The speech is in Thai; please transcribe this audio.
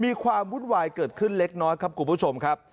ความวุ่นวายเกิดขึ้นเล็กน้อยครับคุณผู้ชมครับ